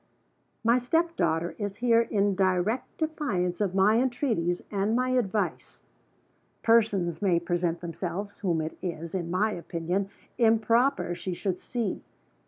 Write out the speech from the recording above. "My step daughter is here in direct defiance of my entreaties and my advice. Persons may present themselves whom it is, in my opinion, improper she should see.